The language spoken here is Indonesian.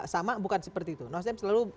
sama bukan seperti itu nasdem selalu